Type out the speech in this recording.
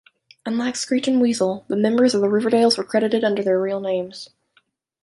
Unlike Screeching Weasel, the members of the Riverdales were credited under their real names.